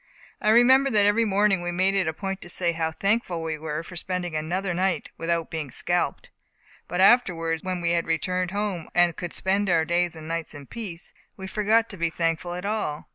I remember that every morning we made it a point to say how thankful we were for spending another night, without being scalped. But afterwards, when we had returned home, and could spend our days and nights in peace, we forgot to be thankful at all."